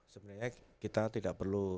sebenarnya kita tidak perlu